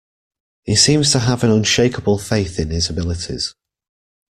He seems to have an unshakeable faith in his abilities.